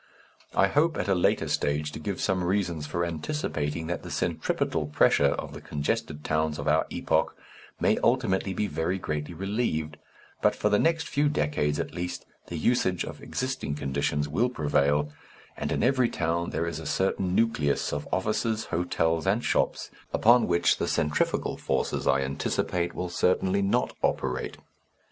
I hope at a later stage to give some reasons for anticipating that the centripetal pressure of the congested towns of our epoch may ultimately be very greatly relieved, but for the next few decades at least the usage of existing conditions will prevail, and in every town there is a certain nucleus of offices, hotels, and shops upon which the centrifugal forces I anticipate will certainly not operate.